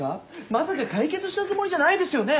まさか解決したつもりじゃないですよね！